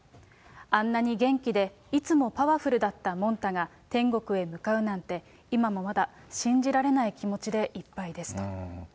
あんなに元気でいつもパワフルだったもんたが天国へ向かうなんて、今もまだ信じられない気持ちでいっぱいですと。